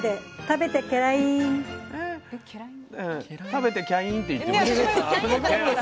食べてキャインって言ってました？